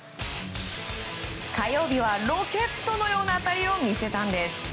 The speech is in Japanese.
火曜日はロケットのような当たりを見せたんです。